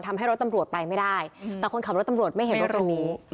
ทำให้รถตำรวจไปไม่ได้แต่คนขับรถตำรวจไม่เห็นว่าตรงนี้